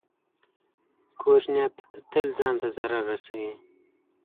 کوږ نیت تل ځان ته ضرر رسوي